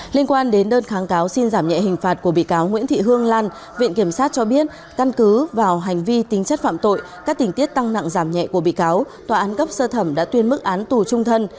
liên quan đến đơn kháng cáo xin giảm nhẹ hình phạt của bị cáo nguyễn thị hương lan viện kiểm sát cho biết căn cứ vào hành vi tính chất phạm tội các tình tiết tăng nặng giảm nhẹ của bị cáo tòa án cấp sơ thẩm đã tuyên mức án tù trung thân